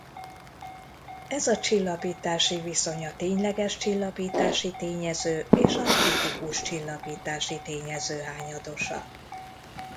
Ez a csillapítási viszony a tényleges csillapítási tényező és a kritikus csillapítási tényező hányadosa.